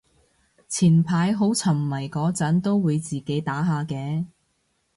前排好沉迷嗰陣都會自己打下嘅